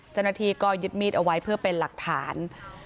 เจ้าหน้าที่ก็ยึดมีดเอาไว้เพื่อเป็นหลักฐาน